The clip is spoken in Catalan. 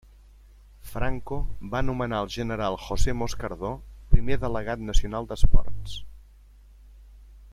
Franco va nomenar al general José Moscardó primer delegat nacional d'Esports.